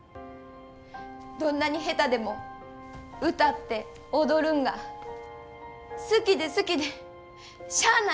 どんなに下手でも歌って踊るんが好きで好きでしゃあないねん。